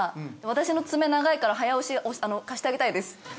私の爪長いから早押し貸してあげたいです。